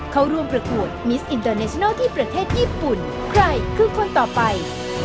เข้าร่วมประกวดมิสอินเตอร์เนชนัลที่ประเทศญี่ปุ่นใครคือคนต่อไป